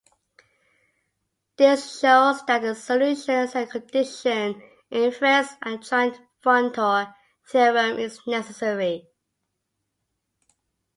This shows that the "solution set condition" in Freyd's adjoint functor theorem is necessary.